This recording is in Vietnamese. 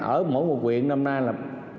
ở mỗi một quyện năm nay là